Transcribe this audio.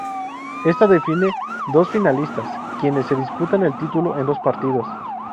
Ésta define dos finalistas, quienes se disputan el título en dos partidos.